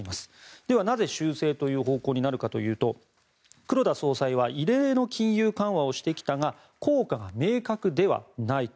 では、なぜ修正という方向になるかというと黒田総裁は異例の金融緩和をしてきたが効果が明確ではないと。